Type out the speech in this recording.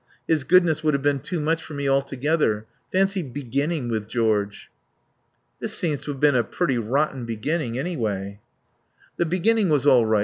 His goodness would have been too much for me altogether. Fancy beginning with George." "This seems to have been a pretty rotten beginning, anyway." "The beginning was all right.